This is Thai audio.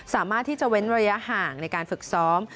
สามารถที่จะเว้นระยะห่างในการฝึกซ้อม